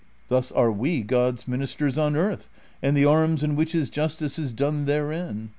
Thus .are we God^s min isters on earth and the arms in which his justice is d6ne therein.